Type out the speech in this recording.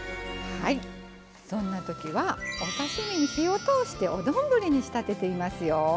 そんなときは、お刺身に火を通してお丼にしたてていますよ。